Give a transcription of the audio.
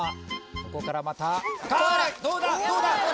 ここからまたあどうだどうだ！？